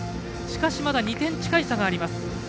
しかしまだ２点近い差があります。